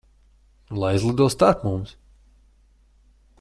Lai izlido starp mums.